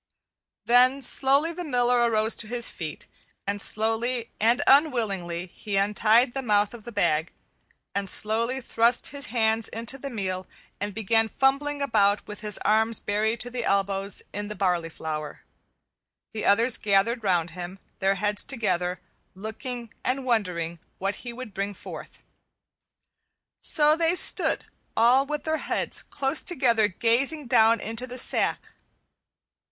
Then slowly the Miller arose to his feet, and slowly and unwillingly he untied the mouth of the bag, and slowly thrust his hands into the meal and began fumbling about with his arms buried to the elbows in the barley flour. The others gathered round him, their heads together, looking and wondering what he would bring forth. So they stood, all with their heads close together gazing down into the sack.